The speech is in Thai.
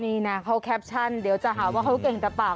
นี่นะเขาแคปชั่นเดี๋ยวจะหาว่าเขาเก่งแต่เปล่า